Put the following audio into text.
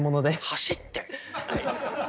「走って？」。